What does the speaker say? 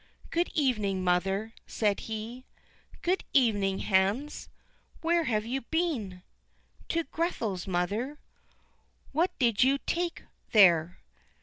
"Good evening, mother," said he. "Good evening, Hans. Where have you been?" "To Grethel's, mother." "What did you take there?"